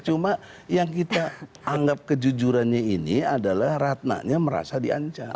cuma yang kita anggap kejujurannya ini adalah ratnanya merasa diancam